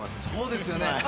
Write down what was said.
そうですよね。